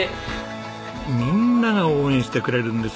みんなが応援してくれるんですね。